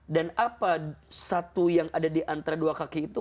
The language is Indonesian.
dan apa sesuatu yang ada di antara dua kakinya